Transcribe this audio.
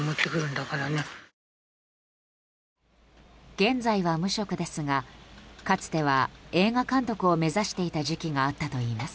現在は無職ですが、かつては映画監督を目指していた時期があったといいます。